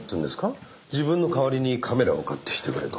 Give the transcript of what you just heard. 自分の代わりにカメラを買ってきてくれと。